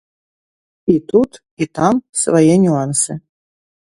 І тут, і там свае нюансы.